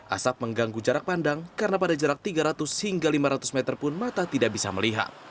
asap mengganggu jarak pandang karena pada jarak tiga ratus hingga lima ratus meter pun mata tidak bisa melihat